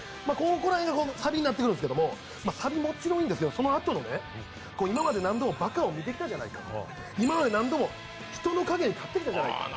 この辺がサビになってくるんですけどもサビもちろんいいんですけどそのあとの、「今まで何度もバカを見てきたじゃないか」「今まで何度も何度も人のかげに立ってきたじゃないか」